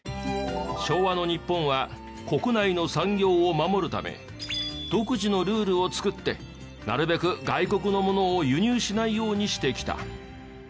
昭和の日本は国内の産業を守るため独自のルールを作ってなるべく外国のものを輸入しないようにしてきた。